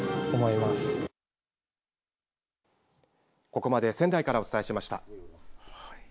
ここまで仙台からお伝えしました。